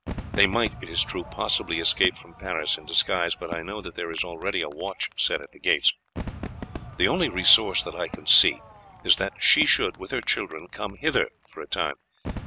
They might, it is true, possibly escape from Paris in disguise, but I know that there is already a watch set at the gates. The only resource that I can see is that she should with her children come hither for a time.